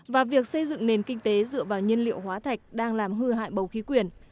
và việc xây dựng nền kinh tế dựa vào nhân liệu hóa thạch đang làm hư hại bầu khí quyền